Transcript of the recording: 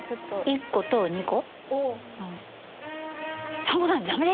１個と２個。